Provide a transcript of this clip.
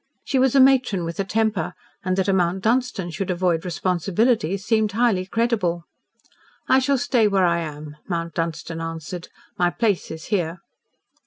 She was a matron with a temper, and that a Mount Dunstan should avoid responsibilities seemed highly credible. "I shall stay where I am," Mount Dunstan answered. "My place is here."